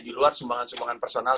di luar sumbangan sumbangan personal